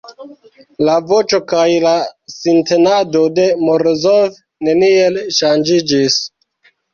La voĉo kaj la sintenado de Morozov neniel ŝanĝiĝis.